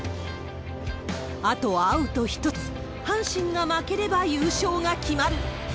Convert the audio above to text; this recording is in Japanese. あとアウト１つ、阪神が負ければ優勝が決まる。